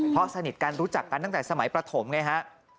เพราะสนิทกันรู้จักกันตั้งแต่สมัยประถมไงฮะ